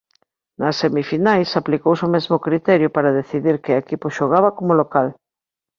Nas semifinais aplicouse o mesmo criterio para decidir que equipo xogaba como local.